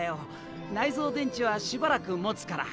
内蔵電池はしばらくもつから。